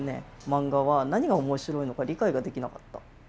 漫画は何が面白いのか理解ができなかった。